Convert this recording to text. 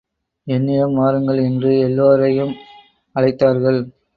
என்னிடம் வாருங்கள்! என்று எல்லோரையும் அழைத்தார்கள்.